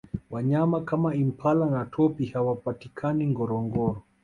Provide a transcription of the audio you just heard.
wanyama kama impala na topi hawapatikani ngorongoro